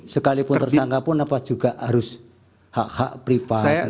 sekalipun tersangka pun apa juga harus hak hak privat